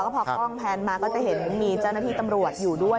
พอกล้องแพนมาก็จะเห็นมีเจ้าหน้าที่ตำรวจอยู่ด้วย